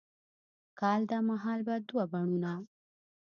کال دا مهال به دوه بڼوڼه،